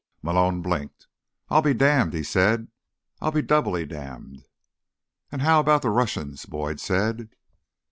Malone blinked. "I'll be damned," he said. "I'll be doubly damned." "And how about the Russians?" Boyd said.